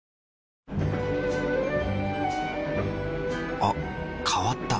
あ変わった。